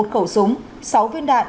một khẩu súng sáu viên đạn